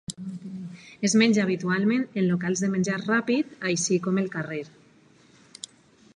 Es menja habitualment en locals de menjar ràpid, així com al carrer.